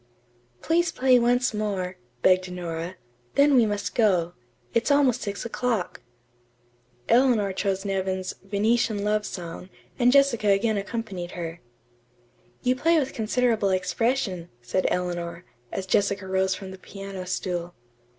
"Please play once more," begged Nora. "Then we must go. It's almost six o'clock." Eleanor chose Nevin's "Venetian Love Song," and Jessica again accompanied her. "You play with considerable expression," said Eleanor, as Jessica rose from the piano stool.